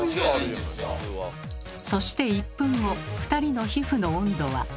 そして１分後２人の皮膚の温度は。